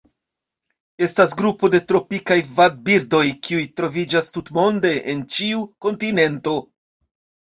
Estas grupo de tropikaj vadbirdoj kiuj troviĝas tutmonde en ĉiu kontinento.